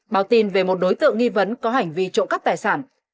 báo tin về một đối tượng nghi vấn có hành vi trộm cắp tài sản